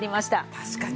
確かに。